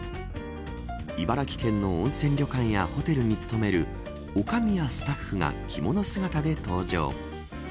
茨城県の温泉旅館やホテルに勤める女将やスタッフが着物姿で登場。